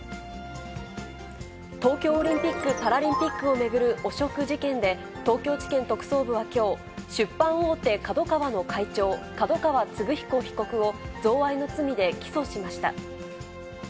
東京オリンピック・パラリンピックを巡る汚職事件で、東京地検特捜部はきょう、出版大手、ＫＡＤＯＫＡＷＡの会長、角川歴彦被告を、贈賄の罪で起訴しました。